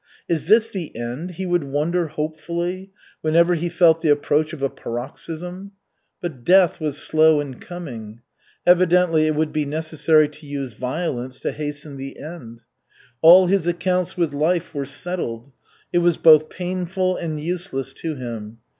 "Is this the end?" he would wonder hopefully, whenever he felt the approach of a paroxysm. But death was slow in coming. Evidently it would be necessary to use violence to hasten the end. All his accounts with life were settled it was both painful and useless to him.